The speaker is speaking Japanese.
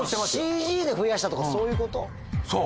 ＣＧで増やしたとかそういうこと？